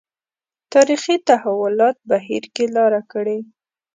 تاریخي تحولاتو بهیر کې لاره کړې.